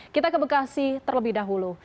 kita ke bekasi terlebih dahulu